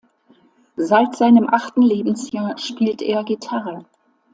Seit seinem achten Lebensjahr spielt er Gitarre.